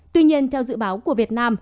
tuy nhiên theo dự báo của việt nam